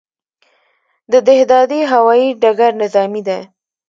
د دهدادي هوايي ډګر نظامي دی